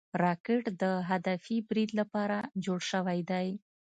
راکټ د هدفي برید لپاره جوړ شوی دی